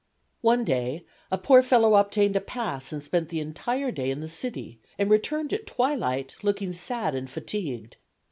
One day a poor fellow obtained a pass and spent the entire day in the city and returned at twilight looking sad and fatigued.